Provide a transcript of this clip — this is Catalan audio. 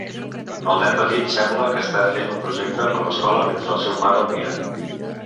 el nen petit sembla que està fent un projecte per l'escola mentre el seu pare el mira.